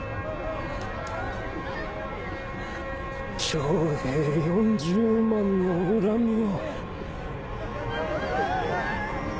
長平４０万の恨みを。